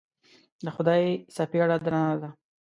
د خدای څپېړه درنه ده.